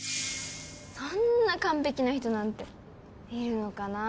そんな完璧な人なんているのかな